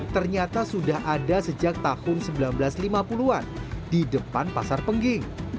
ternyata sudah ada sejak tahun seribu sembilan ratus lima puluh an di depan pasar pengging